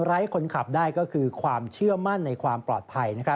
ไร้คนขับได้ก็คือความเชื่อมั่นในความปลอดภัย